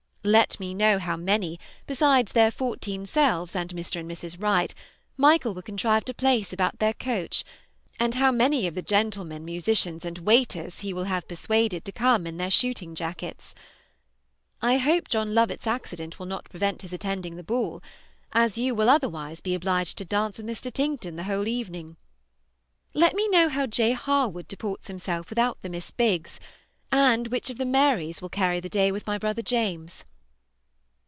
Let me know how many, besides their fourteen selves and Mr. and Mrs. Wright, Michael will contrive to place about their coach, and how many of the gentlemen, musicians, and waiters he will have persuaded to come in their shooting jackets. I hope John Lovett's accident will not prevent his attending the ball, as you will otherwise be obliged to dance with Mr. Tincton the whole evening. Let me know how J. Harwood deports himself without the Miss Biggs, and which of the Marys will carry the day with my brother James.